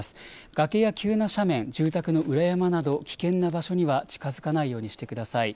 崖や急な斜面に住宅の裏山など危険な場所には近づかないようにしてください。